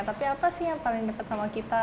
tapi apa sih yang paling dekat sama kita